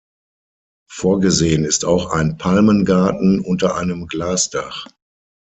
Vorgesehen ist auch ein Palmengarten unter einem Glasdach.